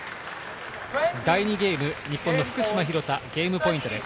第２ゲーム、日本の福島・廣田、ゲームポイントです。